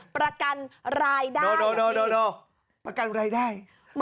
ประกันรายได้